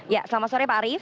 ya selamat sore pak arief